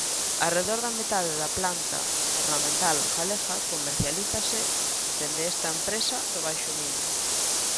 Arredor da metade da planta ornamental galega comercialízase dende esta empresa do Baixo Miño.